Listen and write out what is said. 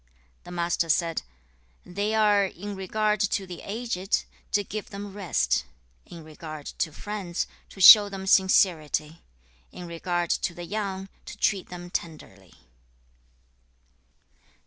The Master said, 'They are, in regard to the aged, to give them rest; in regard to friends, to show them sincerity; in regard to the young, to treat them tenderly.'